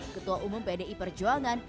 ketua umum pdi perjuangan